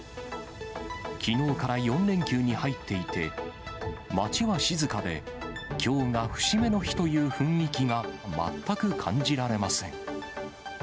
きのうから４連休に入っていて、街は静かで、きょうが節目の日という雰囲気が全く感じられません。